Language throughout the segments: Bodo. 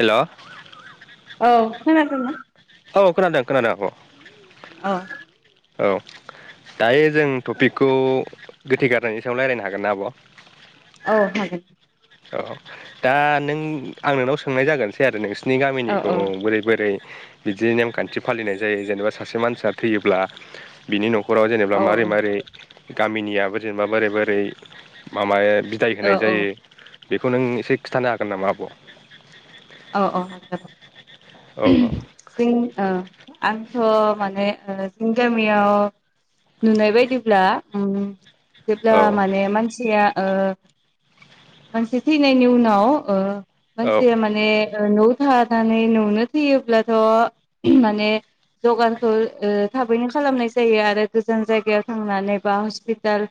हेलौ औ खोनादोंना? औ खोनादों खोनादों आब' अ औ दायो जों टपिकखौ गोथै गारनायनि सायाव रायलायनो हागोन ना आब'? औ हागोन औ दा नों आं नोंनाव सोंनाय जागोनसै आरो नोंसिनि औ गामिनिखौ औ बोरै बोरै बिदि नेमखान्थि फालिनाय जायो जेनेबा सासे मानसिया थैयोब्ला बिनि न'खराव जेनेबा औ मारै मारै गामिनियाबो जेनेबा बोरै बोरै मा माया बि दाय होनाय औ जायो बेखौ नों एसे खिन्थानो हागोन नामा आब'? औ औ हागोन ओ आंथ' माने ओ जोंनि गामियाव नुनाय बायदिब्ला उम औ जेब्ला माने मानसिया ओ मानसि थैनायनि उनाव ओ मानसिया माने ओ न'आव थानानै न'आवनो थैयोब्लाथ' माने जगारखौ ओ थाबैनो खालामनाय जायो आरो गोजान जायगायाव थांनानै बा हस्पिटाल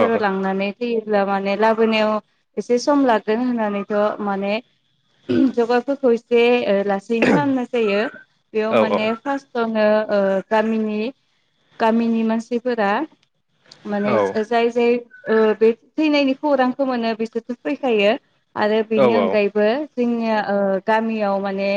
औ लांनानै थैयोब्ला माने लाबोनायाव एसे सम लागोन होननानैथ' माने जगारफोरखौ एसे ओ लासैनो खालामनाय जायो बेयाव औ माने फार्स्ट [unintelligible] ओ गामिनि गामिनि मानसिफोरा औ माने [unintelligible] जाय जाय ओ बे थैनायनि खौरांखौ मोनो बिसोरथ' फैखायो। आरो औ बेनि औ अनगायैबो जोंनिया ओ गामियाव माने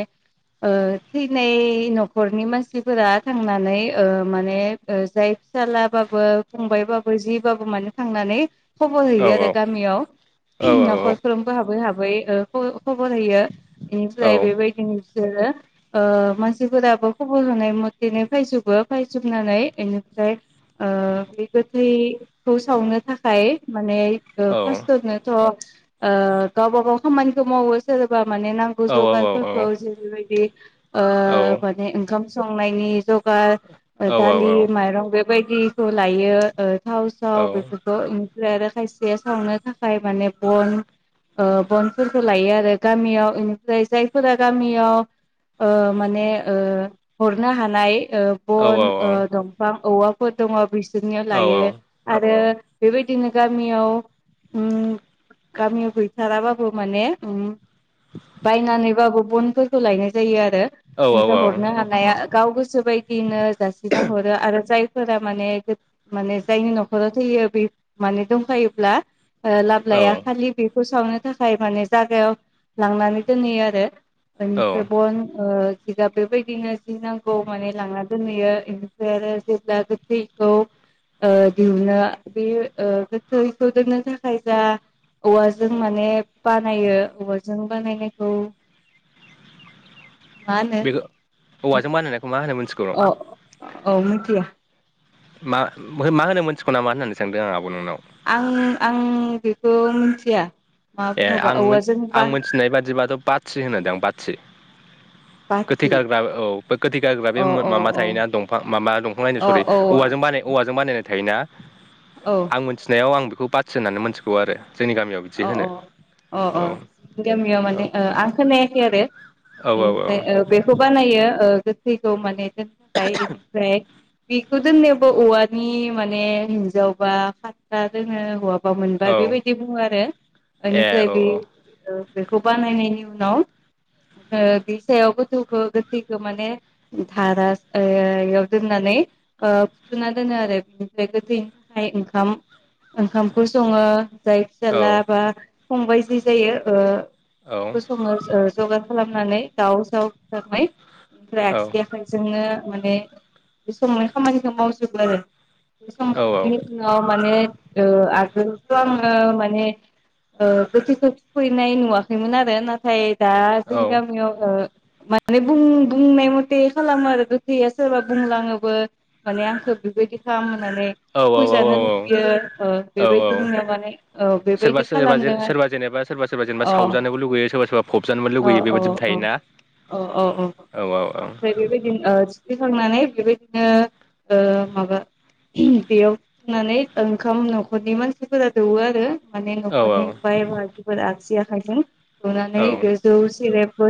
ओ थैनाय न'खरनि मानसिफोरा थांनानै ओ माने ओ जाय फिसाला बाबो फंबायबाबो जिबाबो माने थांनानै खबर हैयो आरो गामियाव औ नखरफ्रोमबो हाबै हाबै ओ ख खबर होयो औ ओमफ्राय बेबायदिनो बिसोरो ओ मानसिफोराबो खबर होनाय मथेनो फैजोबो फैजोबनानै एनिफ्राय ओ बे गोथैखौ सावनो थाखाय माने ओ औ फार्स्टरनोथ' ओ गावबा गाव खामानिखौ मावो सोरबा माने नांगौ औ औ औ जगारफोरखौ जेरैबायदि ओ औ माने ओंखाम संनायनि जगार ओ दालि माइरं बेबायदिखौ लायो ओ थाव साव बेफोर [unintelligible] इनिफ्राय आरो खायसे संनो थाखाय माने बन ओ बनफोरखौ लायो आरो। गामियाव इनिफ्राय जायफोरा गामियाव ओ माने ओ हरनो हानाय ओ बन ओ दंफां औवाफोर दङ बिसोरनियाव लायो। आरो बेबायदिनो गामियाव ओम गामियाव गैथाराबाबो माने उम बायनानैबाबो बनफोरखौ लायनाय जायो आरो बेनिफ्राय हरनो हा नाया गाव गोसो बायदियैनो जासिना हरो आरो जायफोरा माने माने जायनि न'खराव थैयो बे माने दंखायोब्ला ओ औ लाबोलाया खालि बेखौ सावनो थाखाय माने जागायाव लांनानै दोनहैयो आरो। औ [unintelligible] बन ओ जिगाब बेबायदिनो जि नांगौ माने लांना दोनहैयो बेनिफ्राय आरो जेब्ला गोथैखौ ओ दिहुननो बे ओ गोथैखौ दोननो थाखाय जा औवाजों माने बानायो औवाजों बानायनायखौ मा होनो बेखौ औवाजों बानायनायखौ मा होनो मोनथिगौ? अ औ मिनथिया। मा मा होनो मोनथिगौ नामा होननानै सानदों आं आब' नोंनाव। आं आं बेखौ मिनथिया मा बुङोबा औवाजों बा नाय बादिबाथ' बाथि होनो दां बाथि। गोथै बाथि गारग्रा औ बे गोथै गारग्रा बे अ माबा अ थायोना दंफां माबा दंफां लायनो अ सरि। औ औवाजों बानाय औवाजों बानायनाय थायोना औ आं मोनथिनायाव आं बेखौ बाथि होननानै मोनथिगौ आरो जोंनि गामियाव। बिदि अ होनो अ अ औ अ गामियाव औ माने ओ आं खोनायाखै आरो औ बेनिफ्राय औ ओ बेखौ बानायो ओ गोथैखौ माने दोननो थाखाय एनिफ्राय बेखौ दोननायावबो औवानि माने हिनजावबा खाथ्रा दोनो हौवा बा मोनबा औ बेबायदि बुङो आरो ए बेनिफ्राय औ बे बेखौ बानायनायनि उनाव ओ बे सायाव गोथौखौ गोथैखौ माने धारा ओ इयाव दोननानै ओ फुथुना दोनो आरो बेनिफ्राय गोथैनि थाखाय ओंखाम ओंखामखौ सङो जाय औ फिसाला बा फंबाय जि जायो ओ औ [unintelligible] जगार खालामनानै दाउ साव बुथारबाय औ ओमफ्राय [unintelligible] आखाइजोंनो माने बे संनाय खामानिखौ मावजोबो आरो औ [unintelligible] उनाव माने ओ आगोलथ' आङो मा माने ओ गोथैखौ थुखैनाय नुवाखैमोन आरो नाथाय दा जोंनि गामियाव ओ मा माने बुं बुंनाय मते खालामो आरो गोथैया सोरबा बुंलाङोबो माने आंखो बेबायदि खामहोननानै औ औ फैजानो लुबैयो ओ औ बेबायदिनो माने औ सोरबा बेबायदि सोरबा खालामदों जेन आरो सोरबा जेनेबा सोरबा सोरबा जेनेबा अ सावजानोबो लुगैयो सोरबा सोरबा फबजानोबो लुगैयो बेबायदिबो थायो ना? अ अ अ बै बेबायदिनो ओ थुखैखांनानै बेबायदिनो ओ माबा बेयाव [unintelligible] ओंखाम न'खरनि मानसिफोरा दौवो आरो माने औ न'खरनिफ्राय मानसिफोरा आगसि आखाइजों दौनानै औ औ बे जौ सेरेब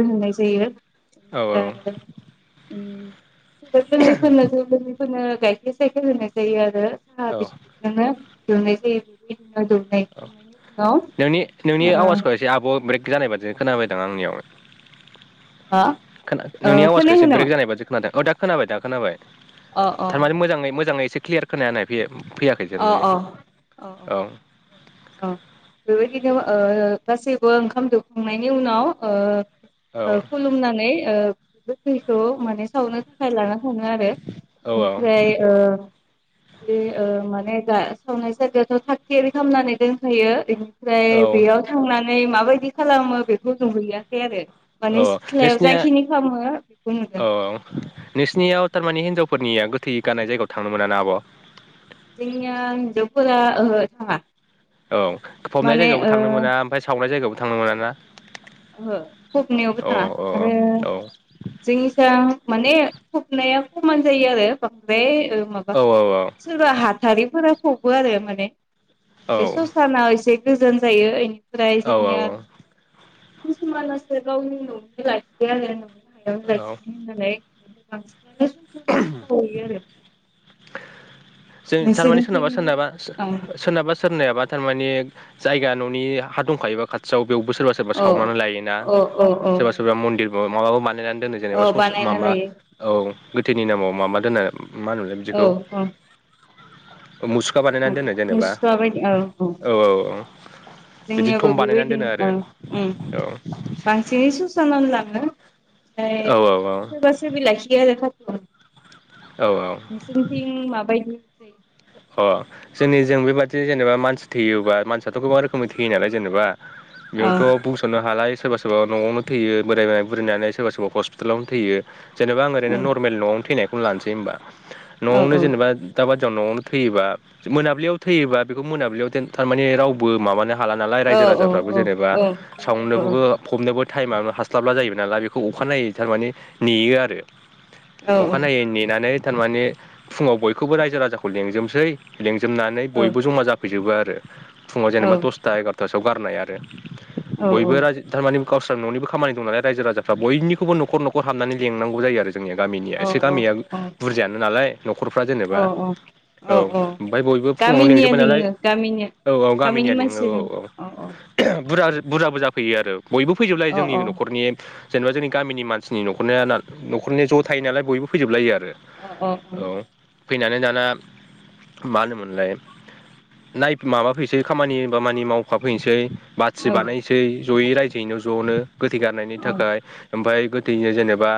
[unintelligible] [unintelligible] गाइखेर सायखेर होनाय जायो आरो साहा बिस औ नोङो दनाय जायो [unintelligible] औ उनाव नोंनि नोंनि ओ आवाजखौ एसे आब' ब्रेक जानाय बादि खोनाबायदां आंनियाव हा खोना ओ नोंनि आवाजखौ एसे खोनायाखै ब्रेक नामा जानाय बायदि खोनादों औ दा खोनाबाय दा खोनाबाय अ अ थार माने मोजाङै मोजाङै एसे क्लियार खोनायनाय बे फैयाखै जेन अ माने अ अ औ औ बेबायदिनो ओ गासैबो ओंखाम दौखांनायनि उनाव ओ ओ औ खुलुमनानै ओ गोथैखौ माने सावनो थाख खाय लाना थाङो आरो औ औ ओमफ्राय ओ बे ओ माने दा सावनाय जागाखो थागथियारि खामनानै दोनफैयो इनिफ्राय औ बेयाव थांनानै माबायदि खालामो बेखौ नुहैयाखै आरो माने औ सिथ्लायाव नोंसिनिया जायखिनि खालामो बेखौ औ नुदों। नोंसिनियाव तार माने हिनजावफोरनिया गोथै गारनाय जायगायाव थांनो मोनाना आब'? जोंनिया हिन्जावफोरा ओहो थाङा। औ फबनाय माने जायगायावबो ओ थांनो मोना ओमफ्राय सावनाय जायगायावबो थांनो मोनाना? ओहो फबनायावबो थाङा आरो औ जोंनिजा माने फबनाया खमान जायो आरो बांद्राय ओ माबा औ औ औ सोरबा हाथारिफोरा फबो आरो माने बे औ ससानाव एसे गोजान जायो इनिफ्राय औ जोंनिया औ किसुमानासो गाव न'आवनो लाखि आरो न'नि हायावनो औ लाखि हो [unintelligible] [unintelligible] आरो जो जारमाने सोरनाबा नोंसोरनिथिं सोरनाबा औ सो-सोरनाबा सोरनियाबा तारमाने जायगा न'नि हा दंखायोबा खाथियाव बेयावबो सोरबा सोरबा औ सावनानै लायोना औ औ औ सोरबा सोरबा मन्दिरबो मलाबा बानायनानै दोनो जेनेबा औ सस बानायना माबा लायो औ गोथैनि नामाव माबा दोनो मा होनो मोनलाय? औ अ मुसुखा बानाय उम मुसुखा बायदि औ औ औ औ अ जोंनियाबो बिबायदिनो ओ उम औ बांसिनै सुसानानै लाङो ओमफाय औ सोरबा सोरबि लाखियो आरो खा [unintelligible] औ औ नोंसोरनिथिं माबायदि जायो? अ' जोंनि जों बेबादिनो जेनेबा मानसि थैयोबा मानसियाथ' गोबां रोखोमनि थैयो नालाय जेनेबा औ बेयावथब बुंस'नो हालाय सोरबा सोरबा न'आवनो थैयो बोरायबाय बुरायनानै सोरबा सोरबा हस्पिटालावनो थैयो। जेनेबा आं ओरैनो औ नर्मेल न'आवनो थैनायखौनो लानोसै होनबा औ न'आवनो जेनेबा दा बादियाव न'आवनो थैयोबा मोनाब्लियाव थैयोबा बेखौ मोनाब्लियाव देन थार माने रावबो माबानो हा हाला नालाय औ रायजो राजाफ्राबो औ जेनेबा औ जोंनियाबो सावनोखौबो औ फबनोबो टाइमा मा हास्लाबला जाहैबाय नालाय बेखौ अखानायनायै थारमाने नेयो आरो। औ औ अखानायै नेनानै थारमाने फुंङाव बयखौबो रायजो राजाखौ लेंजोबनोसै लिंजोबनानै औ बयबो जमा जाफैजोबो आरो फुंङाव जेनेबा औ दसथा एगार'थासोआव गारनाय आरो औ बयबो रायजो थारमाने गावस्रा न'निबो खामानि दं नालाय रायजो राजाफ्रा बयनिखौबो न'खर न'खर हाबनानै लेंनांगौ जायो आरो जोंनिया गामिया एसे गामिया बुरजायानो नालाय न'खरफ्रा जेनेबा औ ओमफाय बयबो फुङावनो गामिनिया लिंजोबबाय नालाय लिङो गामिनिया औ औ गामिनिया लिङो औ औ [unintelligible] बुरजा बुरजाबो जाफैयो आरो बयबो फैजोबलायो औ जोंनि औ न'खरनि जेनेबा जोंनि गामिनि मानसिनि न'खरनिया न'खरनिया ज' थायो नालाय बयबो फैजोब लायो आरो औ फैनानै दाना मा होनोमोनलाय नाय माबाफैनोसै खामानि दामानि मावफाफैसै। बाथि बानायसै ज'यै रायजोयैनो ज'नो गोथै गारनायनि थाखाय। ओमफाय गोथैनो जेनेबा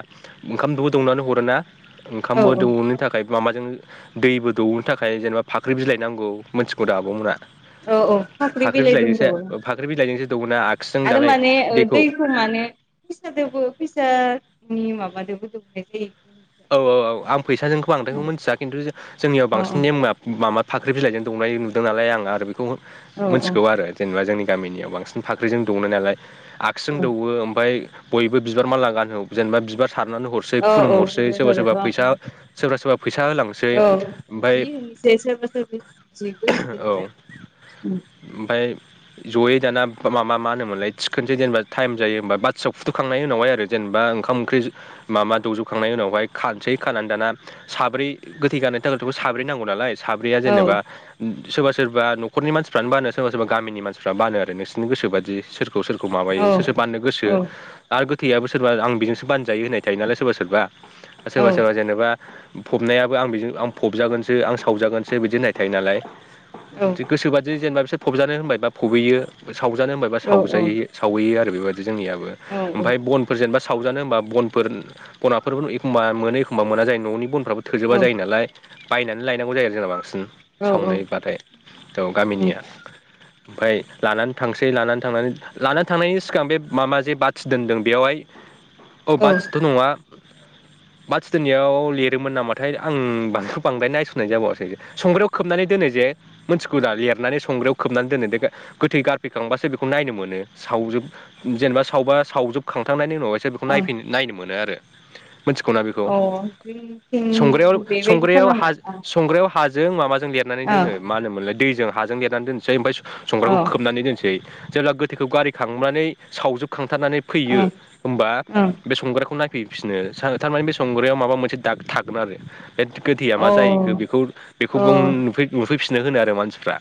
ओंखामबो दौनानै हरो ना औ ओंखामबो दौनो था खाय माबाजों दैबो दौनो थाखाय जेनेबा फाख्रि बिलाइनांगौ मोनथिगौ दा आब' मोना? औ औ फाख्रि बिलाइ बिलाइजोंसो दोनदोवो ओ फाख्रि बिलाइजोंसो दौओना आगसिजों आरो दालाय माने दैखौ माने फैसादोबो फैसानि माबादोबो दौनाय जायो। औ औ औ आं फैसाजोंखौ अ बांद्रायखौ मिन्थिया खिन्थु जो जोंनियाव अ बांसिन नेमा माबा फाख्रि बिलाइजों दौनाय नुदों नालाय आं आरो बेखौ औ मिथिगौ आरो। जेनेबा जोंनि गामिनियाव बांसिन फाख्रिजों दौओ नालाय औ आगसिजों दौओ ओमफ्राय बयबो बिबार माला गानहो जेनेबा बिबार सारनानै हरसै औ खुलुम हरसै। सोरबा सोरबा होदो फैसा सोरबा सोरबा फैसा होलां औ जि होनसै सोरबा सोरबि जिबो होयो औ जोंनिजा उम। ओमफाय जयै दाना माबा मा होनोमोनलाय थिखोनोसै जेनेबा टाइम जायो होनबा बाथियाव फुथुखांनाय उनाव हाय आरो जेनेबा ओंखाम ओंख्रि माबा दौजोबखांनायनि उनावहाय। खानसै खानानै दाना साब्रै गोथै गारनायनि थाखायथ' साब्रै नांगौ नालाय साब्रैया औ जेनेबा उम सोरबा सोरबा न'खरनि मानसिफ्रानो बानो सोरबा सोरबा गामिनि मानसिफ्रा बानो आरो नोंसोरनि गोसोबादि सोर खौ सोरखौ औ माबायो सोर सोर बाननो गोसो औ आरो गोथैयाबो सोरबा आं बेजोंसो बानजायो होनाय थायो नालाय सोरबा सोरबा औ सोरबा सोरबा जेनेबा फबनायाबो आं बेजों आं फबजागोनसो आं सावजागोनसो बिदि होननाय थायो नालाय। दि गोसोबादि जेनेबा बिसोर फबजानो होनबायबा फबहैयो सावजानो होनबायबा सावजाहैयो। सावहैयो आरो बेबायदि जोंनियाबो औ ओमफाय बनफोर जेनेबा सावजानो होमबा बनफोर बनाफोर ए खमबा मोनो एखमबा मोना जायो न'नि बनफ्राबो थोजोबा जायो नालाय बायनानै लायनांगौ जायो जोंना बांसिन। औ औ सावनायबाथाय औ उम गामिनिया। ओमफाय लानानै थांसै लानानै थांनानै लानानै थांनायनि सिगां बे माबा जे बाथि दोनदों बेवहाय औ बाथिथ' नङा बाथि दोननायाव लिरोमोन नामाथाय आं बेखौ बांद्राय नायसननाय जाबावसै संग्रायाव खोबनानै दोनो जे मोनथिगौ दा लिरनानै संग्रायाव खोबनानै दोनो दे गोथै गारफैखांबासो बेखौ नायनो मोनो सावजोब जेनेबा सावबा सावजोबखांथारनायनि उनावहायसो बेखौ अ नायफै नायनो मोनो आरो। मिथिगौ ना बेखौ? अ संग्रायाव जोंनिथिं बेबायदि संग्रायाव खालामा हा अ संग्रायाव हा जों माबाजों लेरनानै अ दोनो मा होनोमोनलाय दैजों हाजों लेरनानै दोनसै ओमफाय अ संग्रायखौ खोबनानै दोनसै जेब्ला गोथैखौ गारै खांनानै सावजोबखांथारनानै अ फैयो होमबा अ बे संग्रायखौ नायफैफिनो सार थारमाने बे संग्रायाव माबा मोनसे दाग थागोन आरो। बेत गोथैया मा औ जाहैखो बेखौ औ बेखौबुं नुफै नुफैफिननो होनो आरो मानसिफ्रा।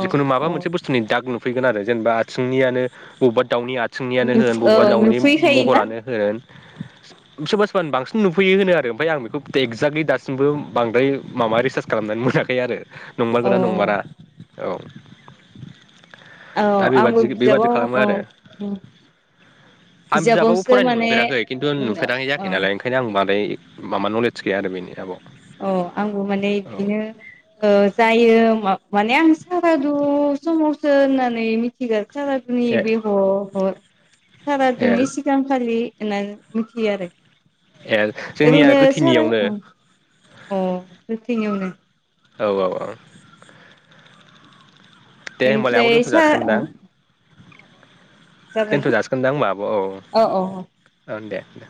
औ जिखुनु माबा औ मोनसे बुस्थुनि दाग नुफैगोन आरो जेनेबा आथिंनियानो बबेबा दाउनि आ थिंनियानो होन बबेबा दाउनि नुफैखायोना महरानो होन सोरबा होन बांसिन नुफैयो होनो आरो ओमफ्राय आं बेखौ एक्जाक्टलि दासिमबो बांद्राय माबा रिसार्च खालामनानै मोनाखै आरो। अ नंमारगोना नंमारा? औ। औ दा आंबो बेबादि बेबादि बिजाबाव खालामो अ आरो। उम आं बिजाबाबबो बिजाबावसो फरायनो माने मोनफेराखै खिन्थु अ नुफेराखै जायाखै नालाय। ओंखायनो आं बांद्राय माबा नलेज गैया आरो बेनि आबाव। अ आंबो माने बिदिनो ओ जायो मा माने आं सारादु समावसो होननानै मिथिगा सारादुनि ए बे ह-हर ए सारादुनि सि गां खालि होननानै मिथियो आरो ए जोंनिया ओरैनो सारा गोथैनियावनो ओं अ बेथिंयावनो औ औ ओं। दे होमबालाय आब' ओनिफ्राय दोनथ' सा जासिगोनदां ओ ना दोनथ' जासिगोन दां होमबा आब' औ औ औ ओं दे दे।